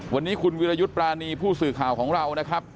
วันนี้คุณวิรยุทธ์ปรานีผู้สื่อข่าวของเรานะครับ